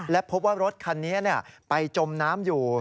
และพบว่ารถคันนี้ไปจมน้ำอยู่